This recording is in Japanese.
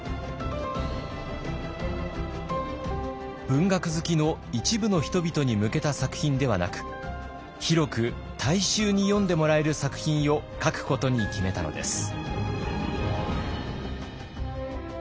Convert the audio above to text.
文学好きの一部の人々に向けた作品ではなく広く大衆に読んでもらえる作品を書くことに決めたのです。